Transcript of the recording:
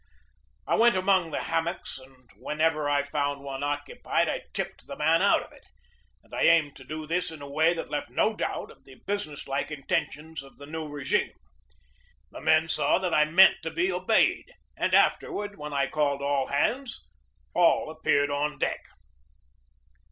I went among the hammocks, and whenever I found one occupied I tipped the man out of it; and I aimed to do this in a way that left no doubt of the business like intentions of the new regime. The men saw that I meant to be obeyed, and afterward when I called all hands all appeared on deck.